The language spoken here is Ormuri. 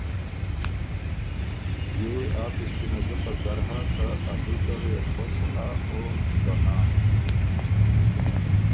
بيې يې آ پِشتِنه ګه پکر هۀ که ا دُوکه وې خوش هۀ او که نا؟